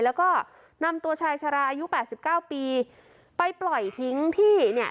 แล้วก็นำตัวชายชราอายุ๘๙ปีไปปล่อยทิ้งที่เนี่ย